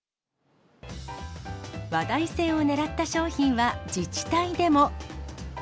話題性を狙った商品は、自治体でも。